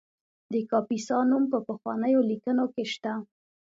د کاپیسا نوم په پخوانیو لیکنو کې شته